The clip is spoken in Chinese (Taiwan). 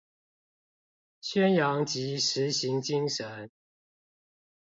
宣揚及實行精神